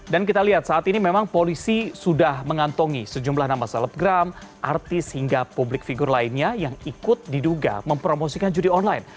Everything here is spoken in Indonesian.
dan kita lihat saat ini memang polisi sudah mengantongi sejumlah nama selebgram artis hingga publik figur lainnya yang ikut diduga mempromosikan judi online